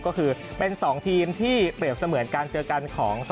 ก็คือเป็น๒ทีมที่เปรียบเสมือนการเจอกันของ